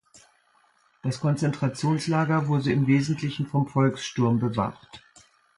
Das Konzentrationslager wurde im Wesentlichen vom Volkssturm bewacht.